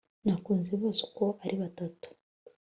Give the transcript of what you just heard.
nakunze bose uko ari batatu